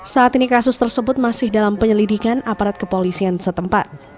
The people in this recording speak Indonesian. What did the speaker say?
saat ini kasus tersebut masih dalam penyelidikan aparat kepolisian setempat